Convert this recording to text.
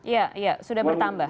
ya ya sudah bertambah